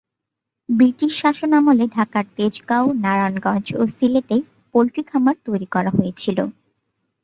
British শাসনামলে ঢাকার তেজগাঁওয়, নারায়ণগঞ্জ ও সিলেটে পোল্ট্রি খামার তৈরি করা হয়েছিল।